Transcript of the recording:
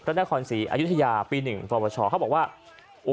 รัฐนาคมศรีอยุธยาปีหนึ่งฝรั่งประชาเขาบอกว่าโอ้